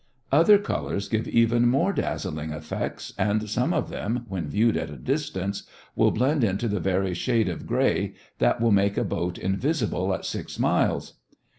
Other colors give even more dazzling effects, and some of them, when viewed at a distance, will blend into the very shade of gray that will make a boat invisible at six miles.